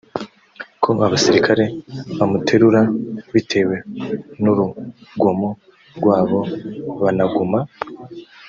ko abasirikare bamuterura bitewe n urugomo rw abo banaguma